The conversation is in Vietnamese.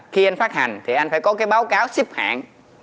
khi anh phát hành thì anh phải có cái báo cáo xếp hạng